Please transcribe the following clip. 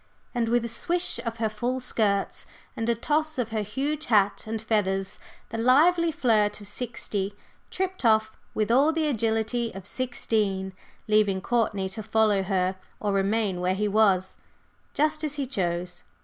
And with a swish of her full skirts and a toss of her huge hat and feathers, the lively flirt of sixty tripped off with all the agility of sixteen, leaving Courtney to follow her or remain where he was, just as he chose.